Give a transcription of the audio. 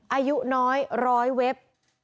อายุน้อย๑๐๐เว็บ